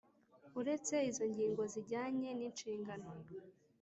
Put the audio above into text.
uretse izo ngingo zijyanye n'inshingano